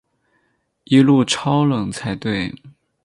一路超冷才对